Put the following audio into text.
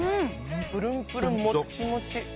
ぷるんぷるん、もっちもち。